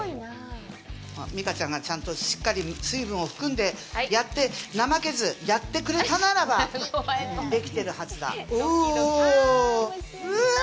美佳ちゃんがちゃんとしっかり水分を含んで怠けずやってくれたならばできてるはずだおぉうわぁ！